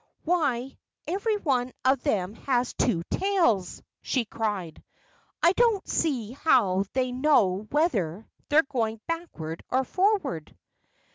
"Why, every one of them has two tails!" she cried. "I don't see how they know whether they're going backward or forward."